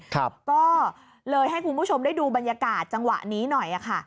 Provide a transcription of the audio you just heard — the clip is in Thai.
ก็เลยให้คุณผู้ชมได้ดูบรรยากาศจังหวะนี้หน่อยค่ะ